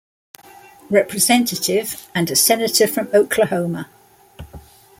Representative and a Senator from Oklahoma.